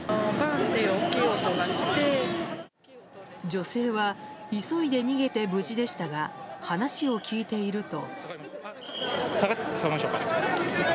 女性は、急いで逃げて無事でしたが話を聞いていると。